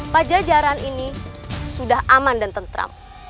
pajajaran ini sudah aman dan tentram